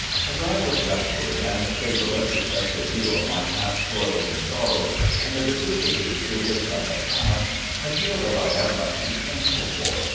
As I look backward and take a retrospective view of my past toils and sorrows, and the vicissitudes through which I have passed, I feel that I have much to be thankful for.